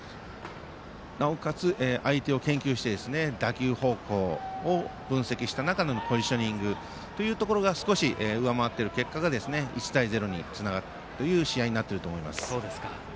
なおかつ、相手を研究して打球方向を分析した中でのポジショニングが少し上回っている結果が１対０につながっている試合になっていると思います。